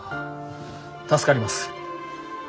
助かります。